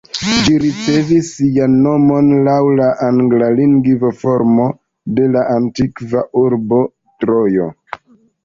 Ĝi ricevis sian nomon laŭ la anglalingva formo de la antikva urbo Trojo.